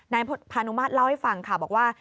นายพานุมาตรเล่าให้ฟังค่ะบอกว่า